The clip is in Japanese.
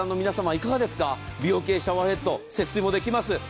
いかがですか、美容系シャワーヘッド、節水もできます。